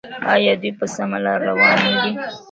آیا دوی په سمه لار روان نه دي؟